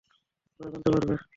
ওরা জানতে পারবে।